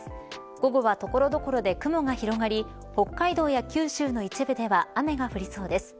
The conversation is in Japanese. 午後は所々で雲が広がり北海道や九州の一部では雨が降りそうです。